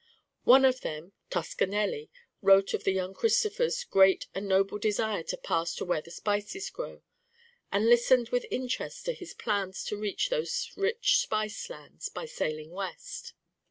One of them, Toscanelli, wrote of the young Christopher's "great and noble desire to pass to where the spices grow," and listened with interest to his plans to reach those rich spice lands by sailing west.